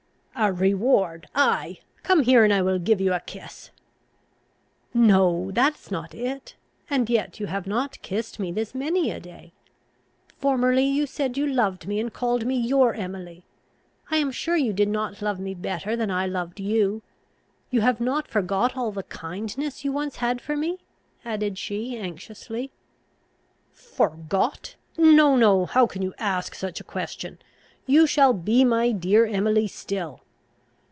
"A reward! Ay, come here, and I will give you a kiss." "No, that is not it. And yet you have not kissed me this many a day. Formerly you said you loved me, and called me your Emily. I am sure you did not love me better than I loved you. You have not forgot all the kindness you once had for me?" added she anxiously. "Forgot? No, no. How can you ask such a question? You shall be my dear Emily still!"